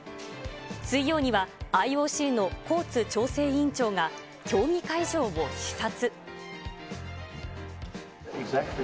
水曜には、ＩＯＣのコーツ調整委員長が競技会場を視察。